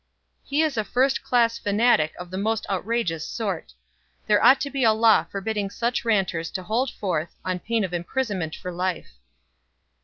"He is a first class fanatic of the most outrageous sort. There ought to be a law forbidding such ranters to hold forth, on pain of imprisonment for life."